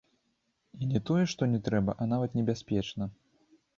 І не тое што не трэба, а нават небяспечна.